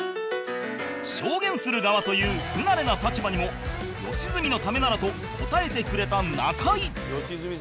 証言する側という不慣れな立場にも良純のためならと答えてくれた中居